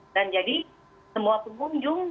dan jadi semua pengunjung